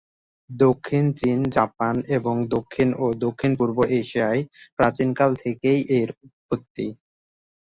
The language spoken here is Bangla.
দক্ষিণ চীন, জাপান এবং দক্ষিণ ও দক্ষিণ-পূর্ব এশিয়ায় প্রাচীনকাল থেকেই এর উৎপত্তি।